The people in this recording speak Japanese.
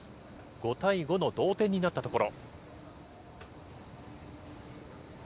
５対５の同点になったところ。